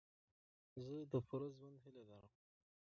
زه د پوره ژوند هیله لرم.